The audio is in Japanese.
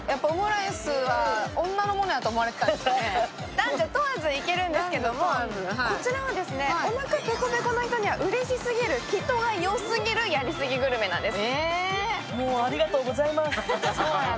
男女問わずいけるんですけども、こちらはですね、おなかペコペコの人にはおすすめの人がよすぎるやりすぎグルメなんです。